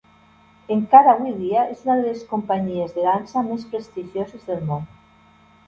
Encara avui dia és una de les companyies de dansa més prestigioses del món.